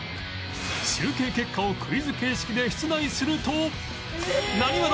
集計結果をクイズ形式で出題すると